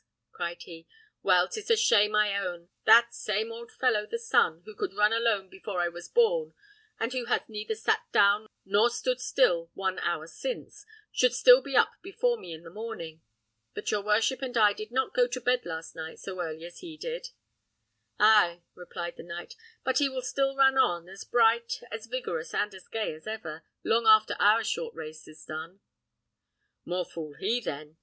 cried he; "well, 'tis a shame, I own, that that same old fellow the sun, who could run alone before I was born, and who has neither sat down nor stood still one hour since, should still be up before me in the morning. But your worship and I did not go to bed last night so early as he did." "Ay!" replied the knight; "but he will still run on, as bright, as vigorous, and as gay as ever, long after our short race is done." "More fool he then!"